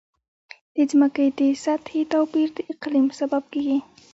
د ځمکې د سطحې توپیر د اقلیم سبب کېږي.